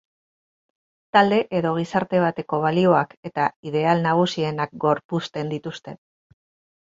Talde edo gizarte bateko balioak eta ideal nagusienak gorpuzten dituzte.